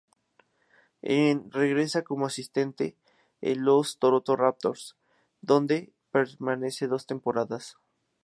En regresa como asistente en los Toronto Raptors, donde permanece dos temporadas.